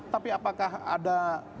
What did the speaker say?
tapi apakah ada